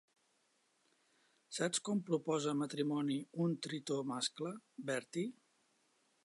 Saps com proposa matrimoni un tritó mascle, Bertie?